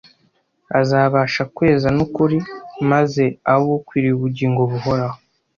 azabasha kwezwa n’ukuri, maze abe ukwiriye ubugingo buhoraho.